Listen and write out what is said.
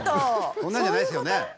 そんなんじゃないですよ。